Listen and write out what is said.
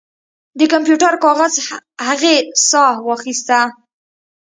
د کمپیوټر کاغذ هغې ساه واخیسته